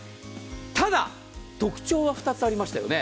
ただ、特長は２つありましたよね。